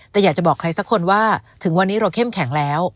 แต่อยากจะบอกใครสักคนว่าถึงวันนี้เราเข้มแข็งแล้ว